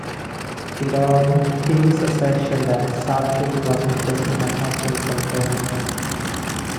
Pironti's assertion that Sarti was in prison has not been confirmed.